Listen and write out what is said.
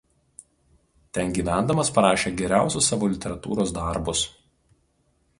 Ten gyvendamas parašė geriausius savo literatūros darbus.